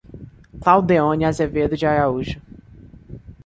Claudeone Azevedo de Araújo